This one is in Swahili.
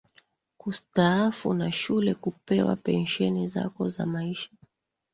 kustaafu na shule kupewa pension zako za maisha